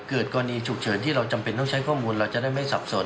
เกิดกรณีฉุกเฉินที่เราจำเป็นต้องใช้ข้อมูลเราจะได้ไม่สับสน